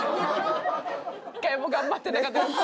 一回も頑張ってなかった。